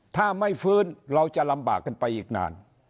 ถ้าไม่ฟื้นเราจะลำบากกันไปอีกนาน